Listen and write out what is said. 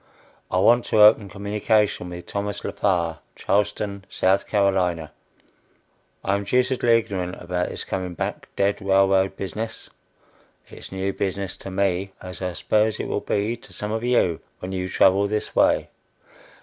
I want to open communication with Thomas Lefar, Charleston, S. C. I am deucedly ignorant about this coming back dead railroad business. It's new business to me, as I suppose it will be to some of you when you travel this way.